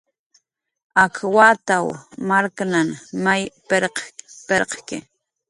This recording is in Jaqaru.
Ak wataw marknhan may pirq pirqki